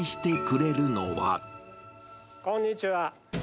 こんにちは。